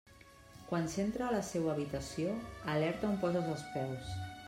Quan s'entra a la seua habitació, alerta on poses els peus!